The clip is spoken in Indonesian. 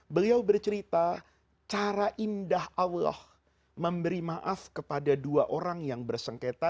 beliau bercerita cara indah allah memberi maaf kepada dua orang yang bersengketa